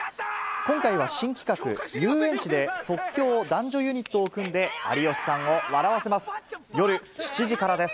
今回は新企画、遊園地で即興男女ユニットを組んで、有吉さんを笑わせます。